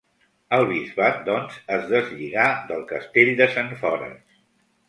El bisbat doncs, es deslligà del castell de Sentfores.